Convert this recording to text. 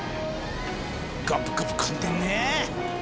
ガブガブかんでんね！